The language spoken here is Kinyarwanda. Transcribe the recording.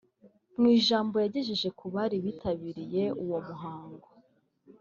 Mu ijambo yagejeje ku bari bitabiriye uwo muhango